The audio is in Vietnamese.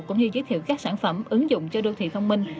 cũng như giới thiệu các sản phẩm ứng dụng cho đô thị thông minh